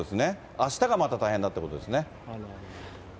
あしたがまた大変だってことですね。